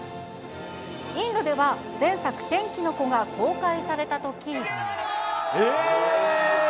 インドでは、前作、天気の子が公開されたとき。